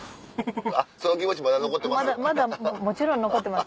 その気持ちまだ残ってます？